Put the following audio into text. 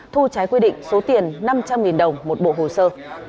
thu trái quy định số tiền năm trăm linh đồng một bộ hồ sơ